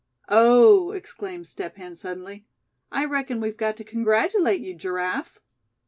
"Oh!" exclaimed Step Hen, suddenly, "I reckon we've got to congratulate you, Giraffe."